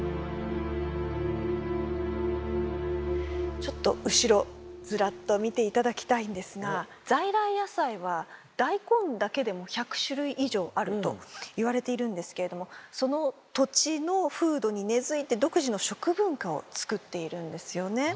ちょっと後ろずらっと見て頂きたいんですが在来野菜は大根だけでも１００種類以上あるといわれているんですけれどもその土地の風土に根づいて独自の食文化を作っているんですよね。